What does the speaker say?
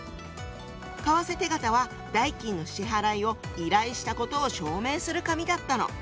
為替手形は代金の支払いを依頼したことを証明する紙だったの。